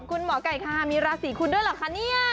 คุณหมอไก่ค่ะมีราศีคุณด้วยเหรอคะเนี่ย